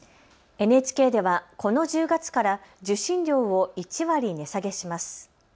ＮＨＫではこの１０月から受信料を１割値下げします。